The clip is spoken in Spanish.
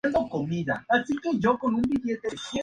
Su tumba se halla en el templo budista de "Gokoku-ji" en Tokio.